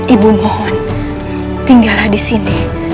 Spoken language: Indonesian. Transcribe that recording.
ibu mohon tinggallah disini